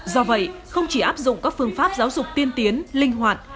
do vậy không chỉ áp dụng các phương pháp giáo dục tiên tiến linh hoạt